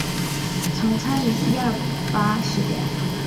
曾参与一二八事变。